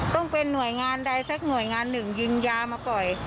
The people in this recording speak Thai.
ต้องเป็นหน่วยงานใดสักหน่วยงานหนึ่งยิงยามาปล่อย